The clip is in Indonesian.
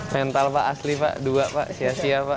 mental pak asli pak dua pak sia sia pak